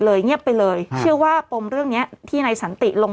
เงียบไปเลยเชื่อว่าปมเรื่องเนี้ยที่นายสันติลง